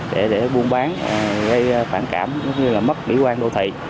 để buôn bán gây phản cảm cũng như là mất mỹ quan đô thị